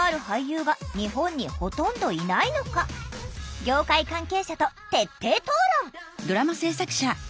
業界関係者と徹底討論！